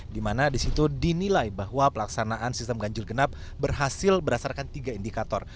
dimana disitu dinilai bahwa pelaksanaan sistem ganjil genap berhasil berdasarkan tiga indikator